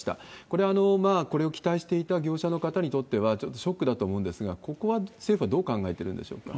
これ、これを期待していた業者の方にとっては、ちょっとショックだと思うんですが、ここは政府はどう考えてるんでしょうか？